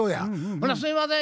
「ほなすいません